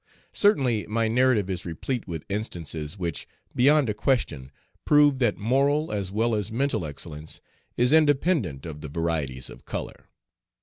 Certainly, my narrative is replete with instances which, beyond a question, prove that moral as well as mental excellence is independent of the varieties of color.